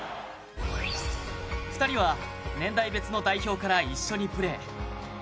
２人は、年代別の代表から一緒にプレー。